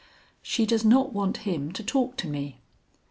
She does not want him to talk to me.